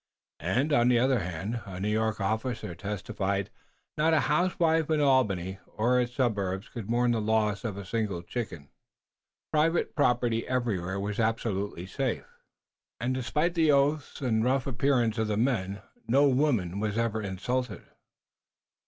And, on the other hand, a New York officer testified that not a housewife in Albany or its suburbs could mourn the loss of a single chicken. Private property everywhere was absolutely safe, and, despite the oaths and rough appearance of the men, no woman was ever insulted.